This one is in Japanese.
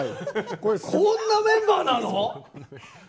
こんなメンバーなの？